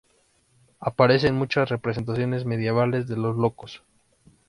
Aparece en muchas representaciones medievales de los locos.